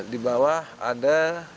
di bawah ada